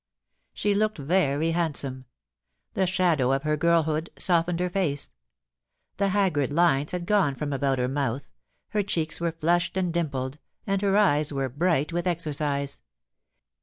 She looked very handsome : the shadow of her girlhood softened her face ; the haggard lines had gone from about her mouth, her cheeks were flushed and dimpled, and her eyes were bright with exercise.